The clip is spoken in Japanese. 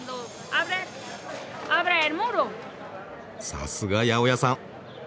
さすが八百屋さん。